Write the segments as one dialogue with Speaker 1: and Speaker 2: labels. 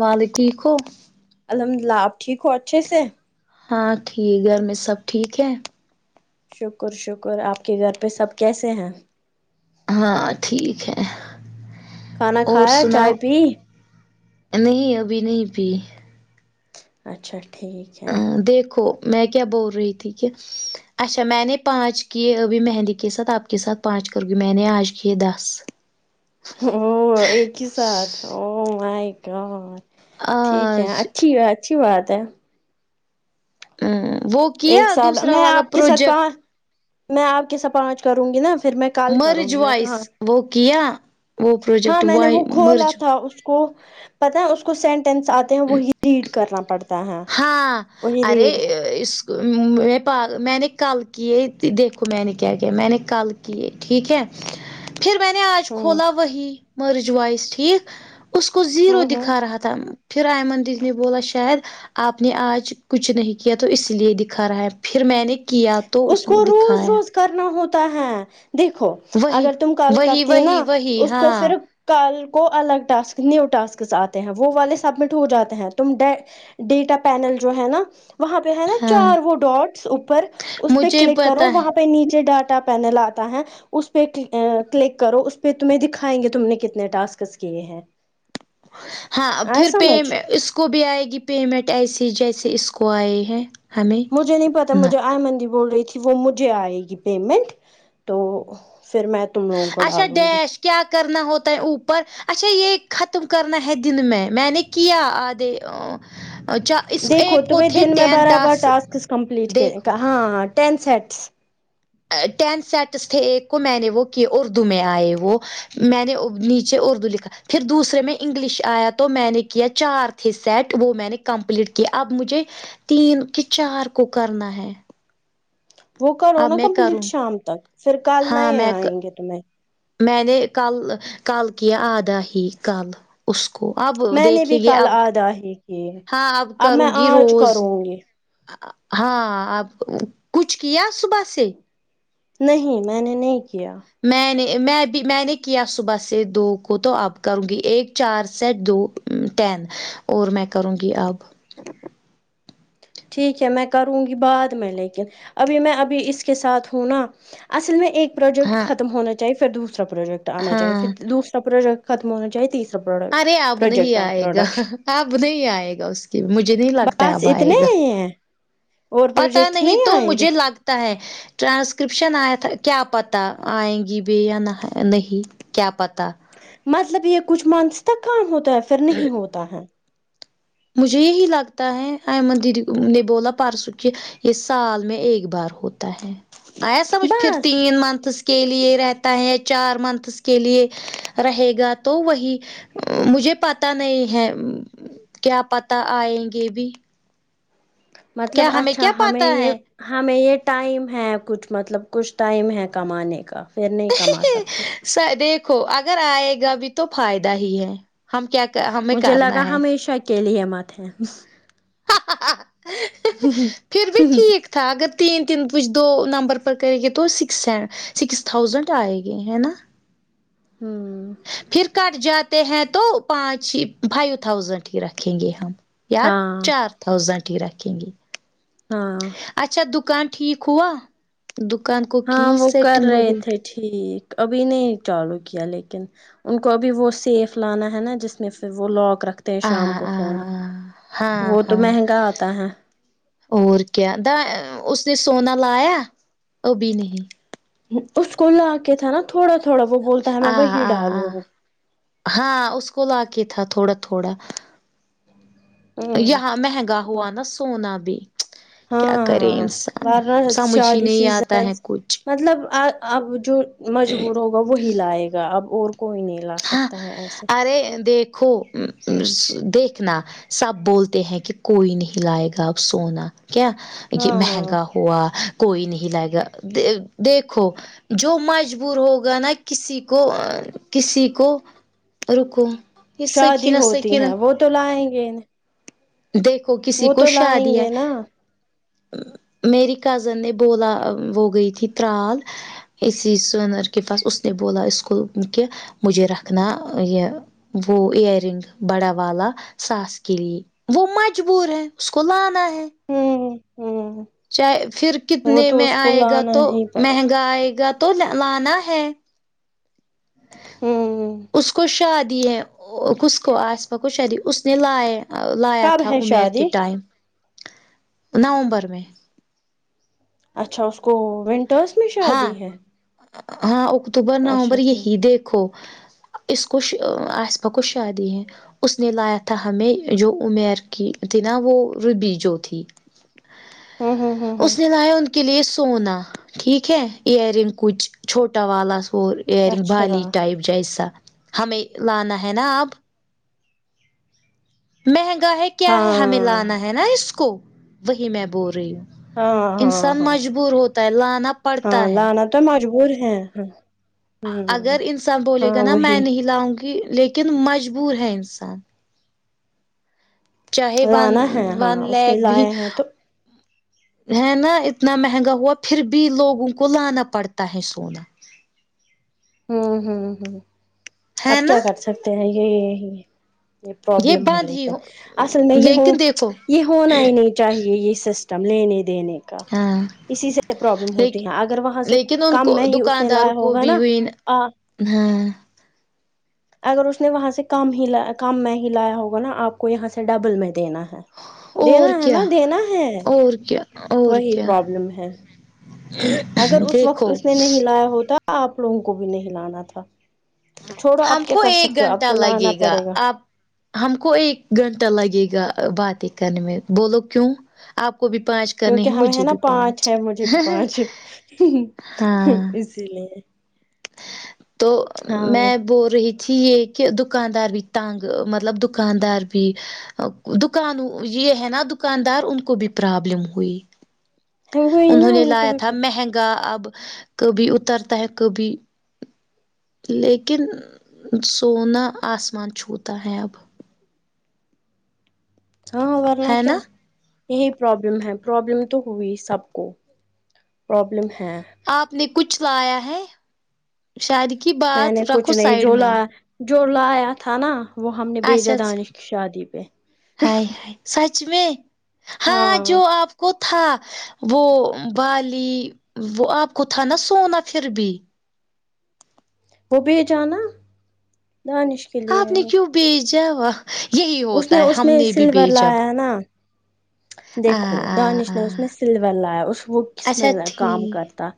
Speaker 1: والے ٹھیک ہو
Speaker 2: الحمد للہ آپ ٹھیک ہو اچھے سے
Speaker 1: ہاں ٹھیک گھر میں سب ٹھیک ہے
Speaker 2: شکر شکر آپ کے گھر پہ سب کیسے ہیں
Speaker 1: ہاں ٹھیک ہے
Speaker 2: کھانا
Speaker 1: اور
Speaker 2: کھایا چائے
Speaker 1: سناؤ
Speaker 2: پی
Speaker 1: نہیں ابھی نہیں پی
Speaker 2: اچھا ٹھیک ہے
Speaker 1: ہاں دیکھو میں کیا بول رہی تھی کہ اچھا میں نے پانچ کیے ابھی مہندی کے ساتھ آپ کے ساتھ پانچ کروں گی میں نے آج کیے دس
Speaker 2: ہوں ایک ہی ساتھ او مائی گاڈ ٹھیک ہے
Speaker 1: آج
Speaker 2: اچھی اچھی بات ہے
Speaker 1: اں وہ کیا
Speaker 2: ایک سال
Speaker 1: دوسرا
Speaker 2: میں
Speaker 1: والا
Speaker 2: آپ کے ساتھ
Speaker 1: پروجیکٹ
Speaker 2: پانچ میں آپ کے ساتھ پانچ کروں گی نا پھر میں کال کروں
Speaker 1: مرج
Speaker 2: گی میں کام
Speaker 1: وائس وہ کیا وہ
Speaker 2: ہاں
Speaker 1: پروجیکٹ
Speaker 2: میں نے
Speaker 1: وائی
Speaker 2: وہ کھولا
Speaker 1: مرج
Speaker 2: تھا کو پتہ ہے اس کو سینٹینس آتے ہیں وہی ریڈ کرنا پڑ
Speaker 1: ہاں ارے ا اس میں نے کل کی ہے دیکھو میں نے کیا کیا میں نے کل کیے ٹھیک ہے پھر میں نے آج
Speaker 2: ہوں
Speaker 1: کھولا وہی مرج وائس ٹھیک اس کو زیرو
Speaker 2: ہوں ہوں
Speaker 1: دکھا رہا تھا تھم پھر آیمن دیدی نے بولا شاید آپ نے آج کچھ نہیں کیا تو اس لیے دکھا رہا ہے پھر میں نے کیا تو اس نے
Speaker 2: کو روز
Speaker 1: دکھایا
Speaker 2: روز کرنا ہوتا ہے دیکھو
Speaker 1: وہی
Speaker 2: اگر تم کل
Speaker 1: وہی
Speaker 2: کرتی
Speaker 1: وہی
Speaker 2: نا
Speaker 1: وہی
Speaker 2: اس کو
Speaker 1: ہاں
Speaker 2: پھر کل کو الگ ٹاسک نیو ٹسک آتے ہیں وہ والے سبمٹ ہو جاتے ہیں تم ڈے ڈیٹا پینل جو ہے نا وہاں پہ ہے نا
Speaker 1: ہاں
Speaker 2: چار وہ ڈاٹس اوپر اس پہ
Speaker 1: مجھے
Speaker 2: کلک کرو
Speaker 1: پتا ہے
Speaker 2: وہاں پہ نیچے ڈاٹا پینل آتا ہے اس پہ کلک کرو اس پہ تمہیں دکھائیں گے تم نے کتنے ٹاسک کیے ہیں
Speaker 1: ہاں
Speaker 2: آیا
Speaker 1: پھر پے
Speaker 2: سمجھ
Speaker 1: میں اس اس کوبھی آئے گی پیمنٹ ایسی جیسے اس کو آئے ہیں ہمیں
Speaker 2: مجھے نہیں پتا
Speaker 1: نہ
Speaker 2: مجھے ائمن دی بول رہی تھی وہ مجھے آئے گی پیمنٹ تو پھر میں تم لوگوں کو
Speaker 1: اچھا
Speaker 2: ڈالوں گی
Speaker 1: ڈیش کیا کرنا ہوتا ہے اوپر اچھا یہ ختم کرنا ہے دن میں میں نے کیا آدھے ا چا اس
Speaker 2: دیکھوں
Speaker 1: ایک
Speaker 2: تم
Speaker 1: کو تھے
Speaker 2: دن میں
Speaker 1: ٹین
Speaker 2: بارہ بار ٹاسک کمپلیٹ
Speaker 1: دیکھو
Speaker 2: کر ہاں ٹین سیٹس
Speaker 1: ٹین سیٹس تھے ایک کو میں نے وہ کیے اردو میں آئے وہ میں نے نیچے اردو لکھا پھر دوسرے میں انگلش آیا تو میں نے کیا چار تھے سیٹ وہ میں نے کمپلیٹ کیا اب مجھے تین کہ چار کو کرنا ہے
Speaker 2: وہ کرو
Speaker 1: اب
Speaker 2: نا
Speaker 1: میں
Speaker 2: کمپلیٹ
Speaker 1: کروں
Speaker 2: شام تک پھر کل
Speaker 1: ہاں
Speaker 2: نہیںئے
Speaker 1: میں ک
Speaker 2: آئیں گے تمہیں
Speaker 1: میں نے کل کل کیا آدھا ہی کل اس کو اب
Speaker 2: میں نے
Speaker 1: دیکھے
Speaker 2: بھی
Speaker 1: گی
Speaker 2: کل
Speaker 1: اب
Speaker 2: آدھا ہی کیے
Speaker 1: ہاں اب
Speaker 2: میں
Speaker 1: کروں گی
Speaker 2: آج
Speaker 1: روز
Speaker 2: کروں گی
Speaker 1: ہاں اب کچھ کیا صبح سے
Speaker 2: نہیں میں نے نہیں کیا
Speaker 1: میں نے میں بھی میں نے کیا صبح سے دو کو تو اب کروں گی ایک چار سیٹ دو ٹین اور میں کروں گی اب
Speaker 2: ٹھیک ہے میں کروں گی بعد میں لیکن ابھی میں ابھی اس کے ساتھ ہوں نا اصل میں ایک پرجیکٹ
Speaker 1: ہاں
Speaker 2: ختم ہونا چاہیے پھر دوسرا پرجیکٹ آنا چاہیے
Speaker 1: ہاں
Speaker 2: دوسرا پرجیکٹ ختم ہو چیے تیسرا
Speaker 1: ارے
Speaker 2: پروڈکٹ
Speaker 1: اب نہیں
Speaker 2: پروجیکٹ
Speaker 1: آئے گا
Speaker 2: پروڈکٹ
Speaker 1: اب نہیں آئے گا اس کے بھی مجھے نہیں لگتا
Speaker 2: بس
Speaker 1: اب آئے
Speaker 2: اتنے
Speaker 1: آ گا
Speaker 2: ہی ہیں اور
Speaker 1: پتا
Speaker 2: پروجیکٹ
Speaker 1: نہیں تو
Speaker 2: آئیں گے
Speaker 1: مجھے لگتا ہے ٹرانسکرپشن آیا کیا پت آئیں گی بھی یا نہ نہیں کیا پتا
Speaker 2: مطلب یہ کچھ منٹھس تک کام ہوتا ہے پھر نہیں ہوتا ہے
Speaker 1: مجھے یہی لگتا ہے احمد دیدی نے بولا پرسوں کی یہ سال میں ایک بار ہوتا ہے آیا سمجھ پھر
Speaker 2: بس
Speaker 1: تین منتھس کے لیے رہتا ہے چار منتھس کے لیے رہے گا تو وہی مجھے پتا نہیں ہے کیا پتہ آئیں گے بھی کیا
Speaker 2: مطلب اچھا
Speaker 1: کیا
Speaker 2: ہمیں
Speaker 1: پتا
Speaker 2: یہ
Speaker 1: ہے
Speaker 2: ہمیں یہ ٹائم ہے کچھ مطلب کچھ ٹائم ہے کمانے کا پھر نہیں کما سکتے
Speaker 1: سے دیکھوں اگر آئے گا بھی تو فائدہ ہی ہے ہم کیا ہمیں
Speaker 2: مجھے لگا
Speaker 1: کرنا ہے
Speaker 2: ہمیشہ کے لیے مت ہے
Speaker 1: ہاں [unintelligible] تھا اگر تین تین کچھ دو نمبر پر کریں گے تو سکس سکس تھاؤزینڈ آئے گے ہے نا
Speaker 2: ہمم
Speaker 1: پھر کٹ جاتے ہیں تو پانچ ہی فائیو تھاؤزینٹ ہی رکھیں گے ہم یا
Speaker 2: ہاں
Speaker 1: چار تھاؤزینٹ ہی رکھیں گے
Speaker 2: ہاں
Speaker 1: اچھا دکان ٹھیک ہوا دکان کو کی
Speaker 2: ہاں وہ کر
Speaker 1: سیٹنگ
Speaker 2: رہے
Speaker 1: وغیرہ
Speaker 2: تھے ٹھیک ابھی نہیں چالو کیا لیکن ان کو ابھی وہ سیف لانا ہے نا جس میں پھر وہ لاک رکھ شام
Speaker 1: ہاں
Speaker 2: کو سونا
Speaker 1: ہاں ہاں
Speaker 2: وہ تو
Speaker 1: ہاں
Speaker 2: مہنگا آتا ہے
Speaker 1: اور کیا د اس نے سونا لایا ابھی نہیں
Speaker 2: اس کو لا کے تھا نا تھوڑا تھوڑا وہ بولتا ہے
Speaker 1: آ
Speaker 2: میں وہی
Speaker 1: آ آ
Speaker 2: ڈالوں
Speaker 1: ہاں اس کو لوک کے ہی تھا تھوڑا تھوڑا
Speaker 2: ہوں
Speaker 1: یہاں مہنگا ہوا نا سونا بھی
Speaker 2: ہاں
Speaker 1: کیا کرے
Speaker 2: ہاں
Speaker 1: انسان
Speaker 2: ورنا
Speaker 1: سمجھ ہی
Speaker 2: شادی
Speaker 1: نہیں آتا ہے
Speaker 2: سیزنس
Speaker 1: کچھ
Speaker 2: مطلب آ اب جو مجبور ہوگا وہی لائے گا اب اور کوئی نہیں لا
Speaker 1: ہاں
Speaker 2: سکتا ہے ایسے
Speaker 1: ارے دیکھو ام ام دیکھنا سب بولتے ہیں کہ کوئی نہیں لائے گا اب سونا کیا یہ
Speaker 2: ہاں
Speaker 1: مہنگا ہوا کوئی نہیں لائے گا دے دیکھو جو مجبور ہوگا نا کسی کو کسی کو رکو یہ
Speaker 2: شادی
Speaker 1: سکینہ
Speaker 2: ہوتی
Speaker 1: سکینہ
Speaker 2: ہیں وہ تو لائیں گے انہیں
Speaker 1: دیکھو کسی کو
Speaker 2: لائیں
Speaker 1: شادی ہے
Speaker 2: گے نا
Speaker 1: میری کزن نے بولا وہ گئی تھی ترال اسی سونر کے پاس اس نے بولا اسکول کہ مجھے رکھنا یہ وہ ائیر رنگ بڑا والا ساس کے لیے وہ مجبور ہے اس کو لانا ہے
Speaker 2: ہمم ہمم
Speaker 1: چاہے پھر کتنے میں آئے گا تو
Speaker 2: ہی پڑے
Speaker 1: مہنگا آئے گا تو لانا ہے
Speaker 2: ہمم
Speaker 1: اس کو شادی ہے اوک کو آسما کو شادی اس نے لایا لایا
Speaker 2: کب
Speaker 1: تھا
Speaker 2: ہے
Speaker 1: عمیر کے
Speaker 2: شادی
Speaker 1: ٹائم نومبر میں
Speaker 2: اچھا اس کو ونٹرس میں
Speaker 1: ہاں
Speaker 2: شادی ہے
Speaker 1: ہاں اکتوبر
Speaker 2: اچھا
Speaker 1: نومبر
Speaker 2: ٹھیک
Speaker 1: یہی دیکھو اس کوش آسما کو شادی ہے اس نے لایا تھا ہمیں جو عمیر کی تھی نا وہ ربی جو تھی
Speaker 2: ہوں ہوں ہوں
Speaker 1: اس نے لایا ان کے لیے سونا ٹھیک ہے ایئر رنگ کچھ چھوٹا والا سو ایئرنگ
Speaker 2: اچھا
Speaker 1: بالی
Speaker 2: ہاں
Speaker 1: ٹائپ جیسا ہمیں لانا ہے نا اب مہنگا ہے کیا ہے ہمیں لانا ہے نا اس کو وہی میں بول رہی ہوں
Speaker 2: ہاں ہاں
Speaker 1: انسان
Speaker 2: ہاں
Speaker 1: مجبور ہوتا ہے لانا پڑتا
Speaker 2: ہاں
Speaker 1: ہے
Speaker 2: لانا تو مجبور ہیں ہاں
Speaker 1: اگر انسان بولے گا نا میں
Speaker 2: وہی
Speaker 1: نہیں لاؤں گی لیکن مجبور ہے انسان چاہے ون
Speaker 2: لانا ہے ہاں
Speaker 1: ون
Speaker 2: اس نے
Speaker 1: لکھ بھی
Speaker 2: لایا ہے تو
Speaker 1: ہے نا اتنا مہنگا ہوا پھر بھی لوگوں کو لانا پڑتا ہے سونا
Speaker 2: ہوں ہوں ہوں
Speaker 1: ہے
Speaker 2: اب
Speaker 1: نا
Speaker 2: کیا کر سکتے ہیں یہ ہی یہ پرابلم ہے
Speaker 1: بند ہی
Speaker 2: لیکن
Speaker 1: ہو
Speaker 2: اصل میں یہ ہو
Speaker 1: لیکن دیکھو
Speaker 2: یہ ہونا ہی نہیں چاہیے یہ سسٹم لینے دینے کا
Speaker 1: ہاں
Speaker 2: اسی سے پرابلم
Speaker 1: لیک
Speaker 2: ہوتی ہے اگر وہاں سے
Speaker 1: لیکن ان
Speaker 2: کم
Speaker 1: کو
Speaker 2: میں ہی اس نے لایا
Speaker 1: دکانداروں کو
Speaker 2: ہوگا
Speaker 1: بھی
Speaker 2: نا
Speaker 1: ہوئی
Speaker 2: آں
Speaker 1: ہاں
Speaker 2: اگر اس نے وہاں سے کم ہی لا کم میں ہی لایا ہوگا نا آپ کو یہاں سے ڈبل میں دینا ہے
Speaker 1: اور
Speaker 2: دینا ہے
Speaker 1: کیا
Speaker 2: نا دینا ہے
Speaker 1: اور کیا اور
Speaker 2: وہی
Speaker 1: کیا
Speaker 2: پرابلم ہے اگر اس وقت
Speaker 1: دیکھو
Speaker 2: اس نے نہیں لایا ہوتا آپ لوگوں کو بھی نہیں لانا تھا چھوڑو
Speaker 1: ہم
Speaker 2: آپ کیا
Speaker 1: کو
Speaker 2: کر
Speaker 1: ایک
Speaker 2: سکتے ہو اب
Speaker 1: گھنٹہ
Speaker 2: تو لانا
Speaker 1: لگے گا
Speaker 2: پڑے
Speaker 1: آپ ہم کو ایک گھنٹہ لگے گا باتیں کرنے میں بولو کیوں آپ کو بھی پانچ کرنے
Speaker 2: کیونکہ
Speaker 1: ہیں
Speaker 2: ہم ہے
Speaker 1: مجھے
Speaker 2: نا
Speaker 1: بھی
Speaker 2: پانچ ہے مجھے بھی پانچ
Speaker 1: ہاں
Speaker 2: اسی لیے
Speaker 1: تو
Speaker 2: ہاں
Speaker 1: میں بول رہی تھی یہ کہ دکاندار بھی تنگ مطلب دکاندار بھی دکان یہ ہے نا دکاندار ان کو بھی پرابلم ہوئی
Speaker 2: وہی نا
Speaker 1: انہوں نے
Speaker 2: ان کو
Speaker 1: لایا
Speaker 2: بھی
Speaker 1: تھا مہنگا اب کبھی اترتا ہے کبھی لیکن سونا آسمان چھوتا ہے اب
Speaker 2: ہاں ورنہ
Speaker 1: ہے
Speaker 2: کیا
Speaker 1: نا
Speaker 2: یہی پرابلم ہے پرابلم تو ہوئی سب کو پرابلم ہے
Speaker 1: آپ نے کچھ لایا ہے شادی کی
Speaker 2: میں
Speaker 1: بات
Speaker 2: نے
Speaker 1: رکھو
Speaker 2: کچھ نہیں
Speaker 1: سائڈ
Speaker 2: جو
Speaker 1: میں
Speaker 2: لایا جو لایا تھا نا وہ ہم نے بھیجا
Speaker 1: اچھا
Speaker 2: دانش کی شادی پہ
Speaker 1: ہائے ہائے سچ میں ہاں جو آپ کو تھا وہ بالی وہ آپ کو تھا نا سونا پھر بھی
Speaker 2: وہ بیچا نا دانش کے لیے
Speaker 1: آپ نے
Speaker 2: ہے
Speaker 1: کیوں بیچا یہی
Speaker 2: اس
Speaker 1: ہوتا ہے
Speaker 2: اس
Speaker 1: ہم نے بھی
Speaker 2: سلور
Speaker 1: بیچا
Speaker 2: لایا نا دیکھو دانش نے اس میں سلور لایا اس وہ کس میں
Speaker 1: اچھا
Speaker 2: کام
Speaker 1: ٹھیک
Speaker 2: کرتا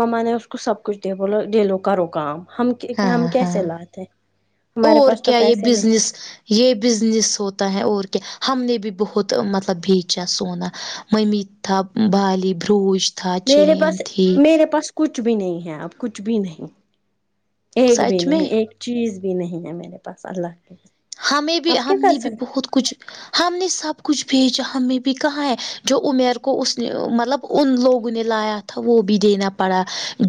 Speaker 2: مما نے اس کو سب کچھ دیا بولو یہ لو کروکام ہم ہم
Speaker 1: ہاں
Speaker 2: کیسے
Speaker 1: ہاں
Speaker 2: لاتے ہیں ہمارے
Speaker 1: اور
Speaker 2: پاس تو
Speaker 1: کیا یہ
Speaker 2: پیسے نہیں
Speaker 1: بزنس یہ بزنس ہوتا ہے اور کیا ہم نے بھی بہت مطلب بیچا سونا ممی تھا بالی بروج تھا
Speaker 2: میرے
Speaker 1: چین
Speaker 2: پاس
Speaker 1: تھی
Speaker 2: میرے پاس کچھ بھی نہیں ہے اب کچھ بھی نہیں ایک بھی
Speaker 1: سچ میں
Speaker 2: نہیں ایک چیز بھی نہیں ہے میرے پاس اللہ کے
Speaker 1: ہمیں بھی
Speaker 2: آپ کیا
Speaker 1: ہم نے
Speaker 2: کر
Speaker 1: بھی
Speaker 2: سکتے
Speaker 1: بہت کچھ ہم نے سب کچھ بیچا ہم نے بھی کہاں ہے جو عمیر کو اس نے مطلب ان لوگوں نے لایا تھا وہ بھی دینا پڑا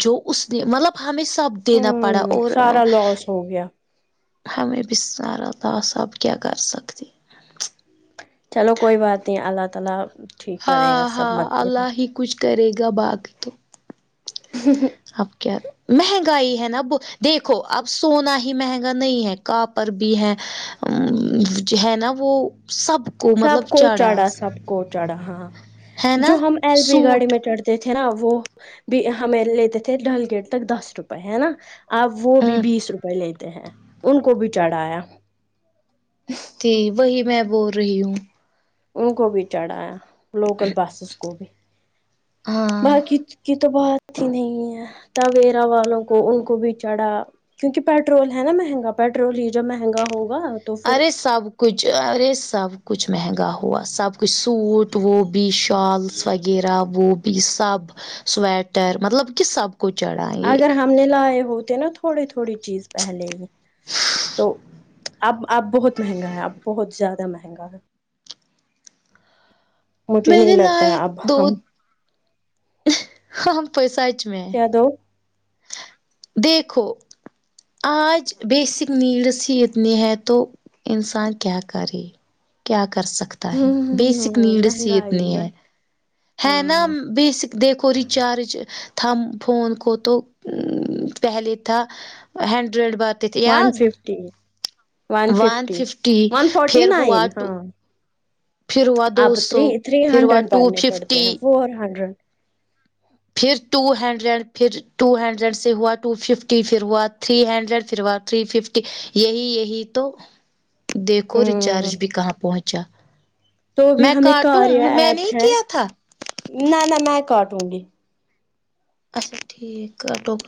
Speaker 1: جو اس نے مطلب ہمیں سب دینا پڑا
Speaker 2: ہوں
Speaker 1: اور
Speaker 2: سارا لوس ہو گیا
Speaker 1: ہمیں بھی سارا لوس سب کیا کر سکتے
Speaker 2: چلو کوئی بات نہیں اللہ تعالی ٹھیک کرے
Speaker 1: ہاں
Speaker 2: گا سب
Speaker 1: ہاں
Speaker 2: مسئلے
Speaker 1: اللہ
Speaker 2: پہ
Speaker 1: ہی کچھ کرے گا باقی تو
Speaker 2: ہ
Speaker 1: اب کیا مہنگائی ہے نا دیکھو اب سونا ہی مہنگا نہیں ہے کا پر بھی ہے جو ہے نا وہ سب
Speaker 2: سب کو چڑھا سب کو چڑھا ہاں
Speaker 1: ہے
Speaker 2: جو
Speaker 1: نا
Speaker 2: ہم ایل پی گاڑی
Speaker 1: سوٹ
Speaker 2: میں چڑھتے تھے نا وہ بھی ہمیں لیتے تھے ڈل گیٹ تک دس روپئے ہے نا اب وہ
Speaker 1: ا
Speaker 2: بھی بیس روپئے لیتے ہیں ان کو بھی چڑھایا
Speaker 1: ت وہی میں بول رہی ہوں
Speaker 2: ان کو بھی چڑھایا لوکل بسس کو بھی
Speaker 1: ہاں
Speaker 2: باقی کی تو بات ہی نہیں ہے تویرا والوں کو ان کو بھی چڑھا کیونکہ پیٹرول ہے نا مہنگا پیٹرول ہی جب مہنگا ہوگا تو پھر
Speaker 1: ارے سب کچھ ارے سب کچھ مہنگا ہوا سب کچھ سوٹ وہ بھی شال سوغیرہ وہ بھی سب سویٹر مطلب کہ سب کو چڑھا یہ
Speaker 2: اگر ہم نے لائے ہوتے نا تھوڑے تھوڑی چیز پہلے ہی تو اب اب بہت مہنگا ہے اب بہت زیادہ مہنگا ہے مجھے
Speaker 1: میں
Speaker 2: نہیں
Speaker 1: نے
Speaker 2: لگتا ہے
Speaker 1: لائے
Speaker 2: اب
Speaker 1: دو
Speaker 2: ہم
Speaker 1: ہم تو سچ میں
Speaker 2: کیا دو
Speaker 1: دیکھو آج بیسک نیڈس ہی اتنی ہیں تو انسان کیا کرے کیا کر سکتا ہے بیسک
Speaker 2: ہوں
Speaker 1: نیڈس ہی
Speaker 2: مہنگائی
Speaker 1: اتنی ہے
Speaker 2: مہنگ
Speaker 1: ہے نا
Speaker 2: ہاں
Speaker 1: بیسک دیکھو ریچارج تھم فون کو تو وں پہلے تھا ہینڈرڈ بعد
Speaker 2: one fifty one fifty one forty
Speaker 1: پھر
Speaker 2: نائن
Speaker 1: ہوا ٹو
Speaker 2: ہاں
Speaker 1: پھر ہوا دو
Speaker 2: آپ تھری
Speaker 1: سو
Speaker 2: تھری
Speaker 1: پھر ہوا
Speaker 2: ہنڈریڈ
Speaker 1: ٹو
Speaker 2: بننے پڑتے
Speaker 1: ففٹی
Speaker 2: ہیں فور ہنڈریڈ
Speaker 1: پھر ٹو ہنڈریڈ پھر ٹو ہنڈریڈ سے ہوا ٹو ففٹی پھر ہوا تھری ہنڈریڈ پھر ہوا تھری ففٹی یہی یہی تو دیکھو
Speaker 2: ہوں
Speaker 1: ریچارج بھی کہاں پہنچا
Speaker 2: تو بھی
Speaker 1: میں
Speaker 2: ہمیں
Speaker 1: کاٹوں
Speaker 2: کاریہ
Speaker 1: میں نے ہی
Speaker 2: ایپ ہے
Speaker 1: کیا تھا
Speaker 2: نہ نہ میں کاٹوں گی
Speaker 1: اچا ٹھیک کاٹو پھر